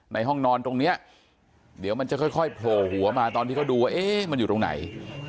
ห้องนอนตรงนี้เดี๋ยวมันจะค่อยโผล่หัวมาตอนที่เขาดูว่าเอ๊ะมันอยู่ตรงไหน